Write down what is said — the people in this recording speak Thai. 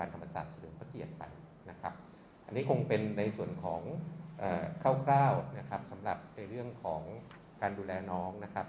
อันนี้คงเป็นในส่วนของคร่าวนะครับสำหรับในเรื่องของการดูแลน้องนะครับ